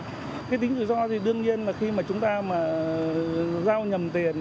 cái tính rủi ro thì đương nhiên là khi mà chúng ta mà giao nhầm tiền